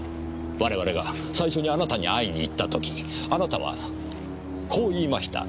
我々が最初にあなたに会いに行った時あなたはこう言いました。